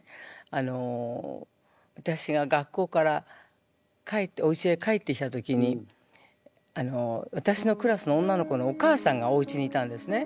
あの私が学校からおうちへ帰ってきた時に私のクラスの女の子のお母さんがおうちにいたんですね。